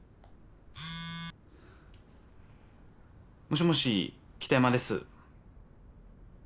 もしもし北山です。